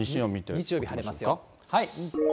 日曜日晴れますよ。